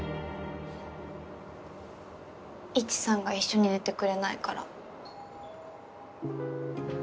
イチさんが一緒に寝てくれないから。